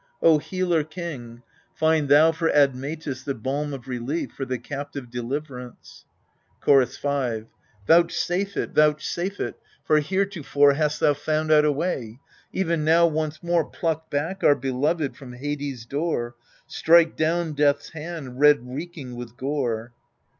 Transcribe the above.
O Healer king, Find thou for Admetus the balm of relief, for the captive deliverance ! Chorus 5. Vouchsafe it, vouchsafe it, for heretofore Hast thou found out a way ; even now once more Pluck back our beloved from Hades' door, Strike down Death's hand red reeking with gore